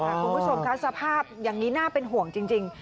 คุณผู้ชมค่ะสภาพอย่างนี้น่าเป็นห่วงจริง